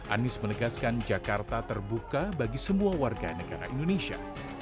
anies menegaskan jakarta terbuka bagi semua warga negara indonesia